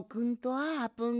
あーぷん。